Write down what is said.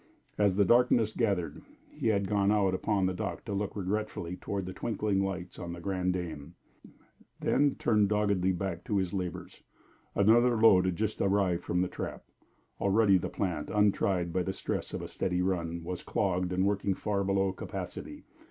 As the darkness gathered, he had gone out upon the dock to look regretfully toward the twinkling lights on The Grande Dame, then turned doggedly back to his labors. Another load had just arrived from the trap; already the plant, untried by the stress of a steady run, was clogged and working far below capacity.